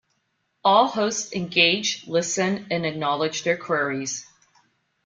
All hosts engage, listen and acknowledge their queries.